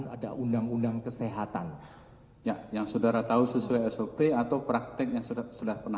ada undang undang kesehatan yang saudara tahu sesuai sop atau praktek yang sudah sudah pernah